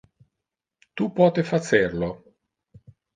Tu pote facer lo.